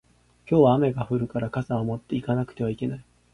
今日は雨が降るから傘を持って行かなくてはいけない